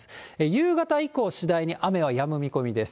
夕方以降、次第に雨はやむ見込みです。